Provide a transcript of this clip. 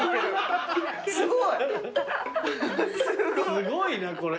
すごいなこれ。